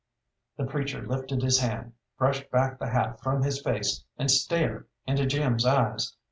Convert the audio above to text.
The preacher lifted his hand, brushed back the hat from his face, and stared into Jim's eyes.